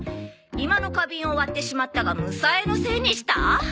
「居間の花ビンを割ってしまったがむさえのせいにした」？